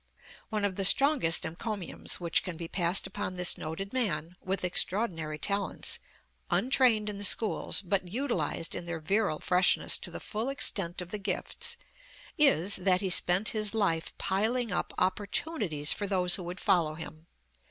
One of the strongest enconiums which can be passed upon this noted man, with extraordinary talents, un trained in the schools, but utilized in their virile freshness to the full extent of the gifts, is, that he spent his life 307 The Original John Jacob Astor piling up opportunities for those who would follow him.